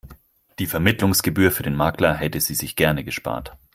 Die Vermittlungsgebühr für den Makler hätte sie sich gerne gespart.